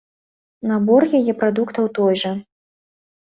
Набор яе прадуктаў той жа.